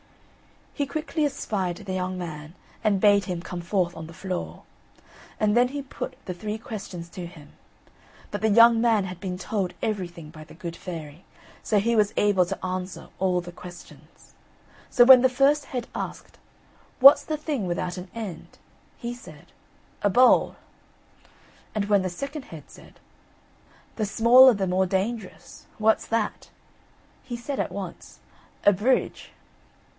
He quickly espied the young man, and bade him come forth on the floor. And then he put the three questions to him; but the young man had been told everything by the good fairy, so he was able to answer all the questions. So when the first head asked, "What's the thing without an end?" he said: "A bowl." And when the second head said: "The smaller the more dangerous; what's that?" he said at once, "A bridge."